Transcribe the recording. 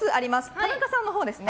田中さんのほうですね。